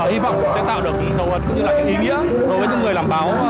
hy vọng sẽ tạo được hầu hật cũng như là ý nghĩa đối với những người làm báo